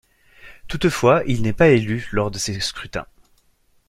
Toutefois, il n'est pas élu lors de ces scrutins.